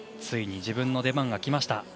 ついに自分の出番がきました。